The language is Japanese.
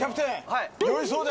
はい。